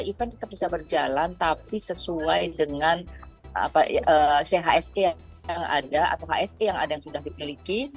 event tetap bisa berjalan tapi sesuai dengan chse yang ada atau hse yang ada yang sudah dimiliki